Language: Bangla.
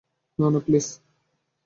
না, না, প্লিজ।